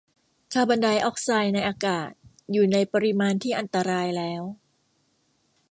คาร์บอนไดอ็อกไซด์ในอากาศ อยู่ในปริมาณที่อันตรายแล้ว